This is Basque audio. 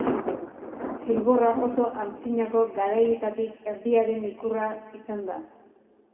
Zilborra oso antzinako garaietatik erdiaren ikurra izan da.